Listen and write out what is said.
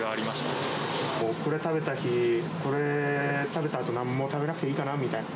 これを食べた日、これ食べたあと、何も食べなくていいかなみたいな。